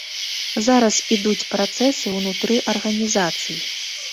Зараз ідуць працэсы ўнутры арганізацый.